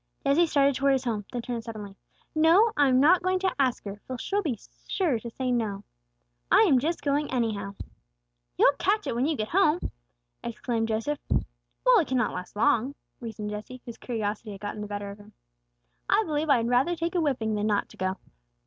Jesse started towards his home, then turned suddenly. "No, I'm not going to ask her, for she'll be sure to say no. I am just going anyhow." "You'll catch it when you get home!" exclaimed Joseph. "Well, it cannot last long," reasoned Jesse, whose curiosity had gotten the better of him. "I believe I'd rather take a whipping than not to go."